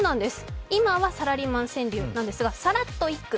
今はサラリーマン川柳なんですが、サラっと一句！